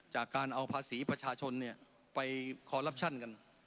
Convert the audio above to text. จากการเอาภาษีประชาชนไปคอลลับชั่นกัน